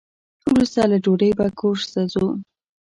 وروسته له ډوډۍ به کورس ته ځو.